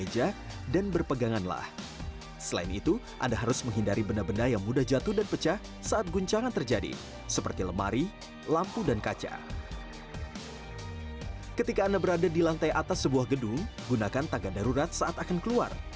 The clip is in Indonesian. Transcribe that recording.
jangan menggunakan gedung gunakan tangga darurat saat akan keluar